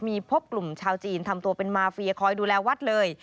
มีพบกลุ่มชาวจีนทำตัวเป็นมาเฟียคอยดูแลวัดเลย